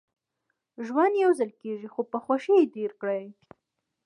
ژوند يوځل کېږي نو په خوښۍ يې تېر کړئ